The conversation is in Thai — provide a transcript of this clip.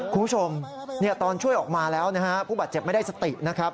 คุณผู้ชมตอนช่วยออกมาแล้วนะฮะผู้บาดเจ็บไม่ได้สตินะครับ